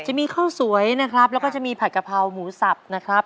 จะมีข้าวสวยนะครับแล้วก็จะมีผัดกะเพราหมูสับนะครับ